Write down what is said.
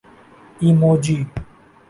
emoji